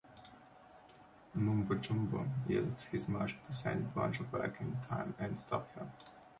Mumbo Jumbo uses his magic to send Banjo back in time and stop her.